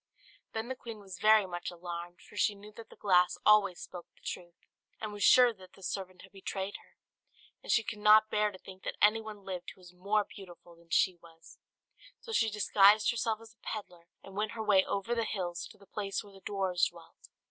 Then the queen was very much alarmed; for she knew that the glass always spoke the truth, and was sure that the servant had betrayed her. And she could not bear to think that anyone lived who was more beautiful than she was; so she disguised herself as a pedlar and went her way over the hills to the place where the dwarfs dwelt.